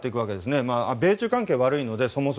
そもそも米中関係が悪いので。